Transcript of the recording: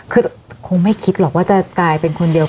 คือคงไม่คิดหรอกว่าจะกลายเป็นคนเดียวกัน